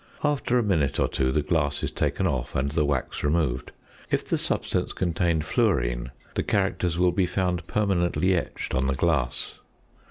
After a minute or two, the glass is taken off, and the wax removed. If the substance contained fluorine, the characters will be found permanently etched on the glass.